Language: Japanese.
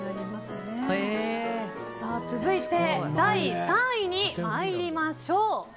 続いて、第３位に参りましょう。